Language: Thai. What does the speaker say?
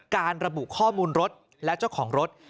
ระบุข้อมูลรถและเจ้าของรถ